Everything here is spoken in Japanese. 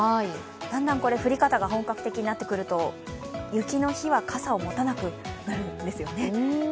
だんだん降り方が本格的になってくると雪の日は傘を持たなくなるんですよね。